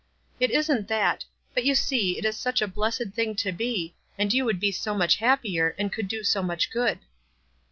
"It isn't that; but you see it is such a blessed thing to be, and you would be so much happier, and could do so much good."